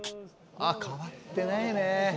あ変わってないね。